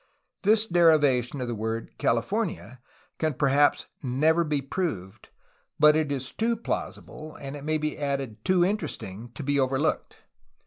This derivation of the word "California" can perhaps never be 64 A HISTORY OF CALIFORNIA proved, but it is too plausible — and it may be added too interesting — to be overlooked.